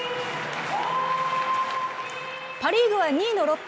パ・リーグは２位のロッテ。